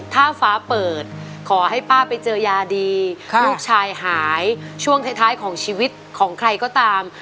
ถ้าฟ้าเปิดขอให้ป้าไปเจอยาดีลูกชายหายช่วงท้ายของชีวิตของใครก็ตาม